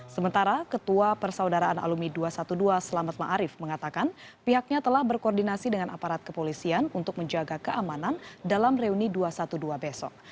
sementara ketua persaudaraan alumni dua ratus dua belas selamat ⁇ maarif ⁇ mengatakan pihaknya telah berkoordinasi dengan aparat kepolisian untuk menjaga keamanan dalam reuni dua ratus dua belas besok